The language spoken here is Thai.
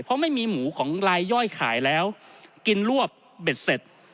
เพราะไม่มีหมูของลายย่อยขายแล้วกินรวบเบ็ดเสร็จ